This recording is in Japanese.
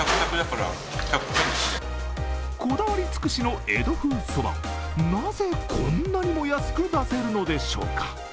こだわり尽くしの江戸風そばをなぜ、こんなにも安く出せるのでしょうか。